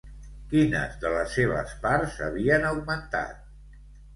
Quines de les seves parts havien augmentat?